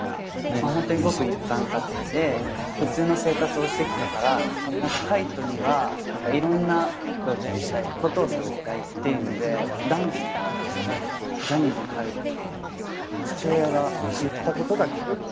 ホントにごく一般家庭で普通の生活をしてきたから海人にはいろんなことをさせたいっていうのでダンスもジャニーズに入ることも父親が言ったことがきっかけで。